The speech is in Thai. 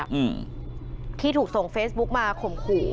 แล้ววันนั้นเราจะไปไหนกัน